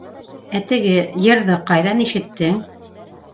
Ә теге... йырҙы... ҡайҙан ишеттең?